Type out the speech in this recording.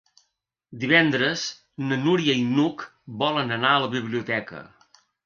Divendres na Núria i n'Hug volen anar a la biblioteca.